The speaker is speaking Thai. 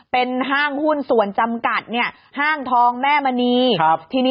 เป็นห้างหุ้นส่วนจำกัดเนี่ยห้างทองแม่มณี